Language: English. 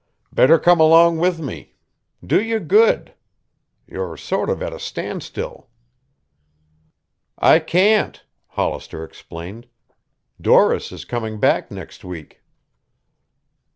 Better come along with me. Do you good. You're sort of at a standstill." "I can't," Hollister explained. "Doris is coming back next week."